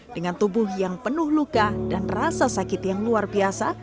dengan tubuh yang penuh luka dan rasa sakit yang luar biasa